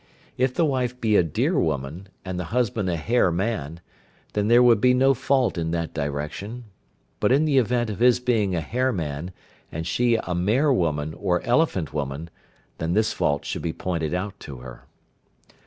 If the wife be a deer woman, and the husband a hare man, then there would be no fault in that direction, but in the event of his being a hare man, and she a mare woman or elephant woman, then this fault should be pointed out to her.